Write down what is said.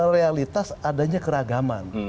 realitas adanya keragaman